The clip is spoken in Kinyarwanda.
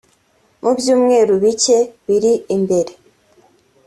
Mu byumweru bike biri imbere